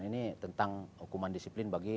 ini tentang hukuman disiplin bagi